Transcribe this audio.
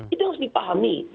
itu harus dipahami